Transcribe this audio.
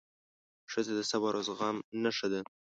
ښځه د صبر او زغم نښه ده.